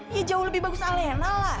ya jauh lebih bagus alena lah